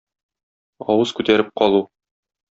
Авыз күтәреп калу.